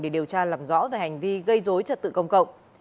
để điều tra làm rõ về hành vi gây dối trật tự công cộng